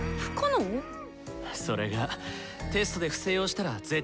それがテストで不正をしたら絶対にバレんだよ。